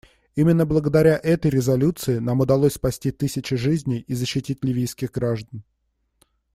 Именно благодаря этой резолюции нам удалось спасти тысячи жизней и защитить ливийских граждан.